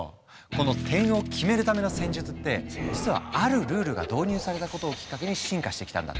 この点を決めるための戦術って実はあるルールが導入されたことをきっかけに進化してきたんだって。